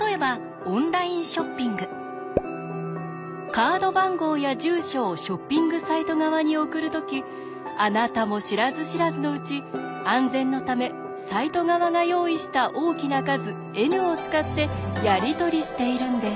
カード番号や住所をショッピングサイト側に送る時あなたも知らず知らずのうち安全のためサイト側が用意した大きな数Ｎを使ってやり取りしているんです。